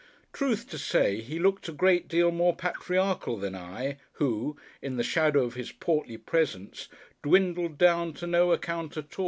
Truth to say, he looked a great deal more patriarchal than I, who, in the shadow of his portly presence, dwindled down to no account at all.